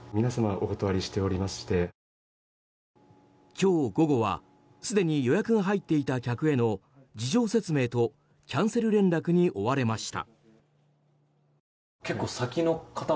今日午後はすでに予約が入っていた客への事情説明とキャンセル連絡に追われました。